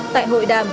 tại hội đàm